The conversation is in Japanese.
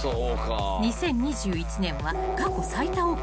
［２０２１年は過去最多を更新］